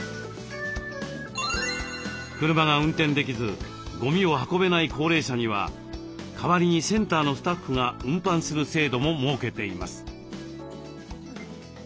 車が運転できずゴミを運べない高齢者には代わりにセンターのスタッフが運搬する制度も設けています。